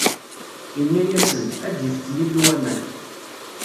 Inna-asen: Ad d-yefk Yillu aman.